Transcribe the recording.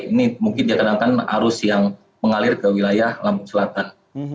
ini mungkin ya kadang kadang arus yang mengalir ke wilayah lampau selatan